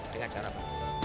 dengan cara baru